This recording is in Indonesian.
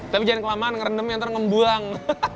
tapi jangan kelamaan ngerendam nanti ngebuang